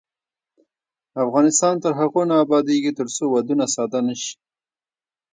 افغانستان تر هغو نه ابادیږي، ترڅو ودونه ساده نشي.